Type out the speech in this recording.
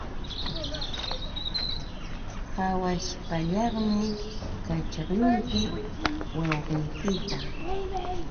Aawaśh pallaqmi kaćhaqlunki wawqiykita.